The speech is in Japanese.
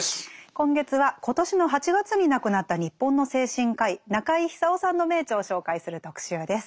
今月は今年の８月に亡くなった日本の精神科医中井久夫さんの名著を紹介する特集です。